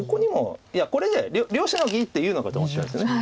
いやこれで両シノギいいって言うのかと思ってたんですよね。